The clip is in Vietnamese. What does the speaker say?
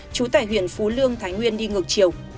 chú tải huyện phú lương thái nguyên đi ngược chiều